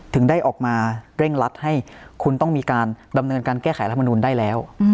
ถึงได้ออกมาเร่งรัดให้คุณต้องมีการดำเนินการแก้ไขรัฐมนุนได้แล้ว